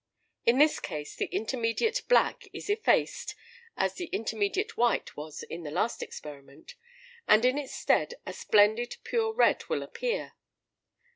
In this case the intermediate black is effaced (as the intermediate white was in the last experiment), and in its stead a splendid pure red will appear.